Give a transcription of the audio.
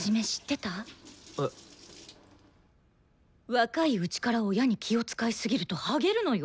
若いうちから親に気を遣いすぎるとはげるのよ。